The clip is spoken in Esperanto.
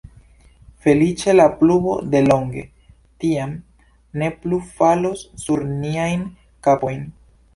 Feliĉe la pluvo de longe, tiam, ne plu falos sur niajn kapojn.